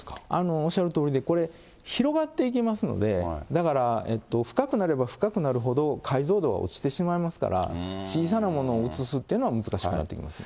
おっしゃるとおりで、これ、広がっていきますので、だから、深くなれば深くなるほど解像度は落ちてしまいますから、小さなものをうつすっていうのは難しくなってきます。